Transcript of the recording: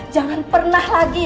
jangan pernah lagi